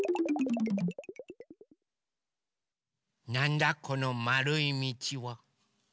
なんだこのまるいみちは？